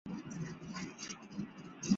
独山翁奇兔场上街布依族人。